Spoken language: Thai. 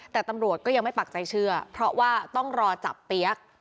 แต่ตำรวจก็ยังไม่ปักใจเชื่อเพราะว่าต้องรอจับเปี๊ยก